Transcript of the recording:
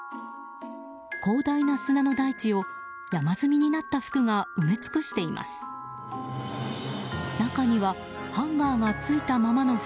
広大な砂の大地を山積みになった服が埋め尽くしています。